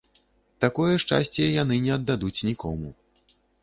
Такое шчасце яны не аддадуць нікому.